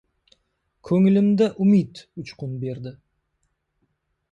Ko‘nglimda umid uchqun berdi.